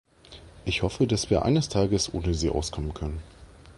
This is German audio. Ich hoffe, dass wir eines Tages ohne sie auskommen können.